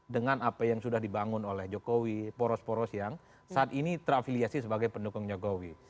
dengan apa yang sudah dibangun oleh jokowi poros poros yang saat ini terafiliasi sebagai pendukung jokowi